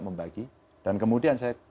membagi dan kemudian saya